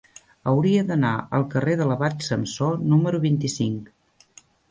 Hauria d'anar al carrer de l'Abat Samsó número vint-i-cinc.